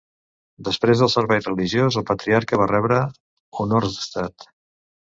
Després del servei religiós, el patriarca va rebre honors d'Estat.